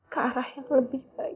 ke arah yang lebih baik